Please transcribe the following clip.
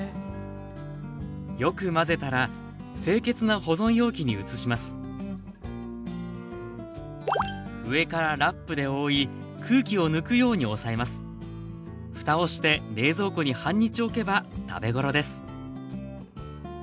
よく混ぜたら清潔な保存容器に移します上からふたをして冷蔵庫に半日おけば食べ頃です